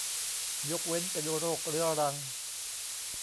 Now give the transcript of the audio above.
ยกเว้นเป็นโรคเรื้อรัง